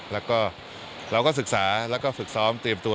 แล้วก็เราก็ศึกษาแล้วก็ฝึกซ้อมเตรียมตัว